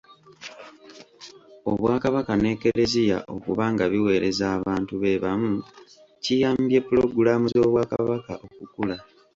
Obwakabaka n’Eklezia okuba nga biweereza abantu be bamu kiyambye pulogulaamu z’Obwakabaka okukula.